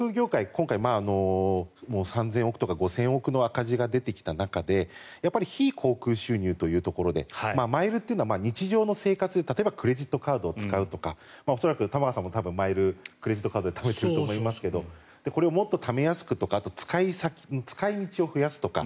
今回、３０００億円とか５０００億円の赤字が出てきた中で非航空収入というところでマイルは日常の生活で例えばクレジットカードを使うとか恐らく玉川さんもマイル、クレジットカードでためていると思いますがこれをもっとためやすくとかもっと使い道を増やすとか。